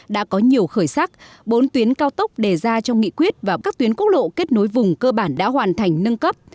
đã có nhiều khởi sắc bốn tuyến cao tốc đề ra trong nghị quyết và các tuyến quốc lộ kết nối vùng cơ bản đã hoàn thành nâng cấp